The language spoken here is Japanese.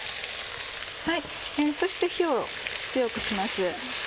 そして火を強くします。